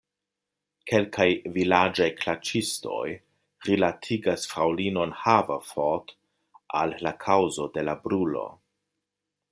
Kelkaj vilaĝaj klaĉistoj rilatigas fraŭlinon Haverford al la kaŭzo de la brulo.